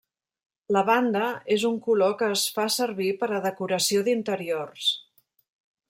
Lavanda és un color que es fa servir per a decoració d'interiors.